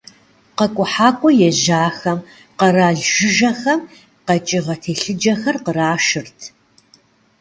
Къэкӏухьакӏуэ ежьэхэм къэрал жыжьэхэм къэкӏыгъэ телъыджэхэр кърашырт.